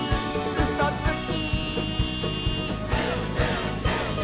「うそつき！」